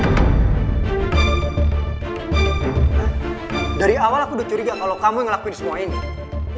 nah dari awal aku udah curiga kalau kamu ngelakuin semua ini